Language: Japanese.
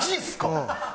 うん。